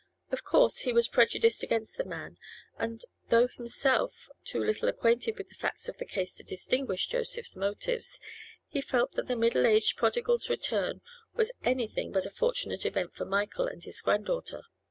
Of course he was prejudiced against the man, and though himself too little acquainted with the facts of the case to distinguish Joseph's motives, he felt that the middle aged prodigal's return was anything but a fortunate event for Michael and his granddaughter.